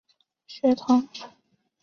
曾上山东大学堂。